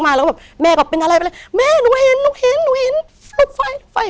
แล้วแม่ก็เป็นอะไรไปเลยแม่หนูเห็นหนูเห็นไฟ